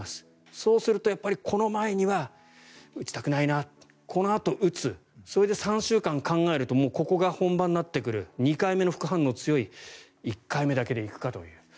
そうするとやっぱりこの前には打ちたくないなこのあと打つそして、３週間考えるともうここが本番になってくる２回目の副反応、強い１回目だけでいくかという。